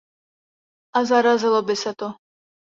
A zarazilo by se to!